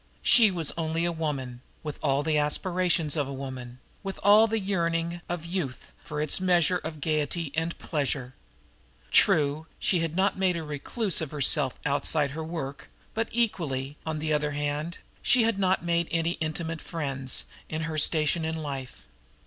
She was only a woman, with all the aspirations of a woman, with all the yearning of youth for its measure of gayety and pleasure. True, she had not made a recluse of herself outside her work; but, equally, on the other hand, she had not made any intimate friends in her own station in life.